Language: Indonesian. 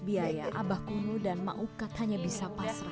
biaya abah kuno dan maukat hanya bisa pasrah jadi kondokannya